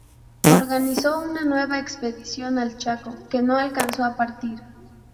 Organizó una nueva expedición al Chaco, que no alcanzó a partir.